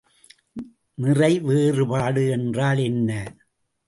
நிறை வேறுபாடு என்றால் என்ன?